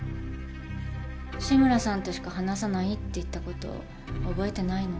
「志村さんとしか話さない」って言ったこと覚えてないの？